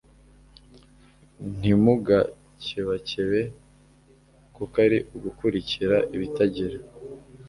Ntimugakebakebe kuko ari ugukurikira ibitagira